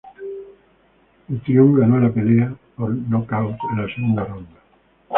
Mitrione ganó la pelea por nocaut en la segunda ronda.